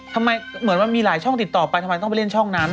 เหมือนว่ามีหลายช่องติดต่อไปทำไมต้องไปเล่นช่องนั้น